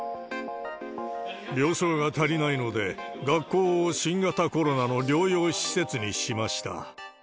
病床が足りないので、学校を新型コロナの療養施設にしました。